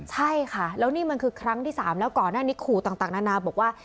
ใช่ค่ะแล้วนี่มันคือครั้งที่๓แล้วก่อนหน้านี้ขู่ต่างนานาบอกว่า